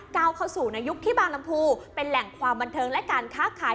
ก้าวเข้าสู่ในยุคที่บางลำพูเป็นแหล่งความบันเทิงและการค้าขาย